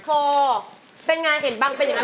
โฟร์เป็นอย่างไรเห็นบังเป็นอย่างไร